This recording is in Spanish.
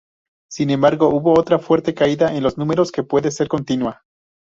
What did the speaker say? Sin embargo, hubo otra fuerte caída en los números, que puede ser continua.